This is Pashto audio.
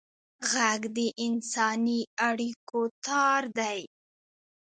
غږ د انساني اړیکو تار دی